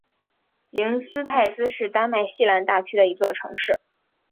灵斯泰兹是丹麦西兰大区的一座城市。